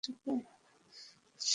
তুমি না থাকলেও দুনিয়া চলবে।